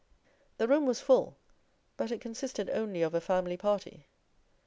The room was full, but it consisted only of a family party.